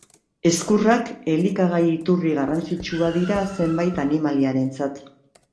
Ezkurrak elikagai-iturri garrantzitsua dira zenbait animaliarentzat.